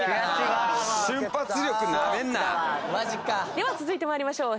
では続いて参りましょう。